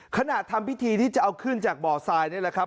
ขณะทำพิธีที่จะเอาขึ้นจากบ่อทรายนี่แหละครับ